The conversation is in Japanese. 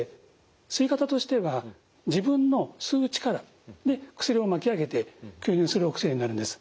吸い方としては自分の吸う力で薬を巻き上げて吸入するお薬になるんです。